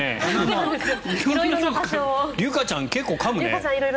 りゅかちゃん結構かむね。